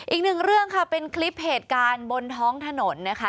อีกหนึ่งเรื่องค่ะเป็นคลิปเหตุการณ์บนท้องถนนนะคะ